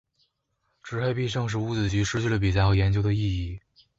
执黑必胜使五子棋失去了比赛和研究的意义。